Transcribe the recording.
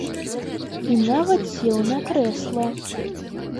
І нават сеў на крэсла.